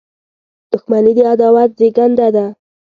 • دښمني د عداوت زیږنده ده.